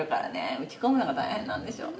打ち込むのが大変なんでしょうね。